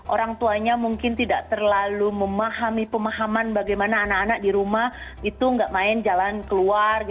orang tuanya mungkin tidak terlalu memahami pemahaman bagaimana anak anak di rumah itu nggak main jalan keluar